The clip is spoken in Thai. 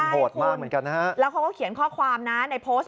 โหดมากเหมือนกันนะฮะแล้วเขาก็เขียนข้อความนะในโพสต์